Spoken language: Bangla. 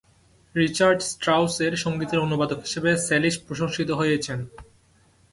রিচার্ড স্ট্রাউসের সঙ্গীতের অনুবাদক হিসেবে স্যালিশ প্রশংসিত হয়েছেন।